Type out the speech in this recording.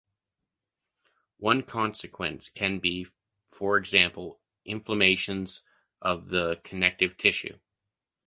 One consequence can be, for example, inflammations of the connective tissue.